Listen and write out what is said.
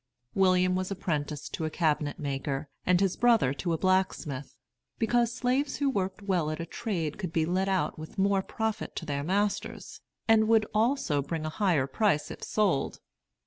William was apprenticed to a cabinet maker, and his brother to a blacksmith; because slaves who worked well at a trade could be let out with more profit to their masters, and would also bring a higher price if sold.